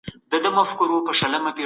ځواني د عمل او خواري کولو وخت دی.